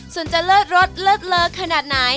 ส่วนจะเลิศรสเลิศเลอขนาดไหน